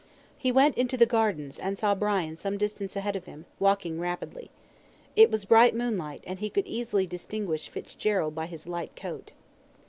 He went into the gardens, and saw Brian some distance ahead of him, walking rapidly. It was bright moonlight, and he could easily distinguish Fitzgerald by his light coat.